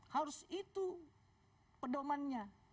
harus itu pedomannya